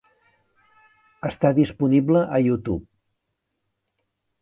Està disponible a YouTube.